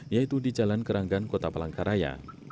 yaitu di jalan keranggan kota palangkaraya